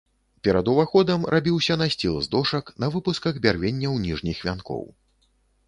Перад уваходам рабіўся насціл з дошак на выпусках бярвенняў ніжніх вянкоў.